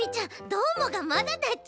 どーもがまだだち。